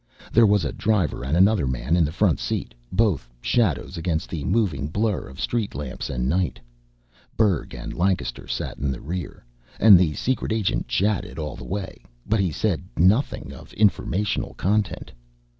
There was a driver and another man in the front seat, both shadows against the moving blur of street lamps and night. Berg and Lancaster sat in the rear, and the secret agent chatted all the way. But he said nothing of informational content.